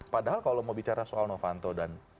padahal kalau mau bicara soal novanto dan